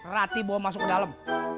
rati bawa masuk ke dalam